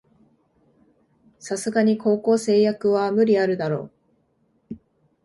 さすがに高校生役は無理あるだろ